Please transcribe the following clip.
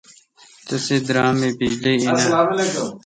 تسے°دراماے° بجلی این آں،؟